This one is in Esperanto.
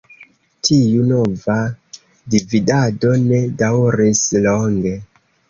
Tiu nova dividado ne daŭris longe.